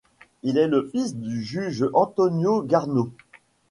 Il est le fils du juge Antonio Garneau.